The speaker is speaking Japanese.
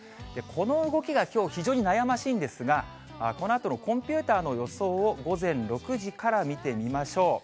この動きがきょう、非常に悩ましいんですが、このあとのコンピューターの予想を、午前６時から見てみましょう。